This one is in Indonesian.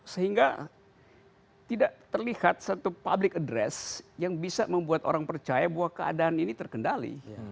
sehingga tidak terlihat satu public address yang bisa membuat orang percaya bahwa keadaan ini terkendali